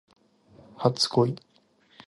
お誕生日おめでとうございます。